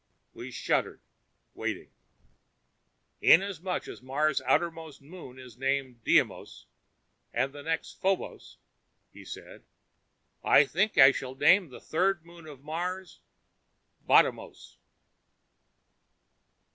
We shuddered, waiting. "Inasmuch as Mars' outermost moon is called Deimos, and the next Phobos," he said, "I think I shall name the third moon of Mars Bottomos."